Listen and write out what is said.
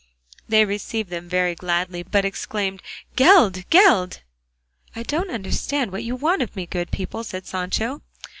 They received them very gladly, but exclaimed, "Geld! Geld!" "I don't understand what you want of me, good people," said Sancho.